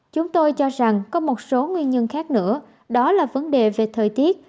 chúng tôi cho rằng có một số nguyên nhân khác nữa đó là vấn đề về thời tiết